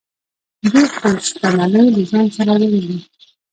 دوی خپلې شتمنۍ له ځان سره وړلې